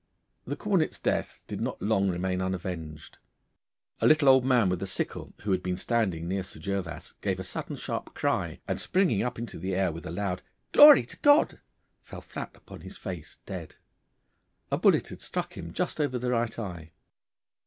The cornet's death did not remain long unavenged. A little old man with a sickle, who had been standing near Sir Gervas, gave a sudden sharp cry, and springing up into the air with a loud 'Glory to God!' fell flat upon his face dead. A bullet had struck him just over the right eye.